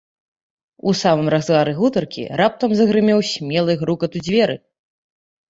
У самым разгары гутаркі раптам загрымеў смелы грукат у дзверы.